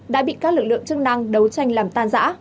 đã bị các lực lượng chức năng đấu tranh làm tan giã